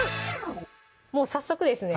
もう早速ですね